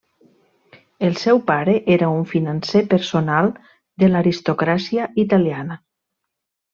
El seu pare era un financer personal de l'aristocràcia italiana.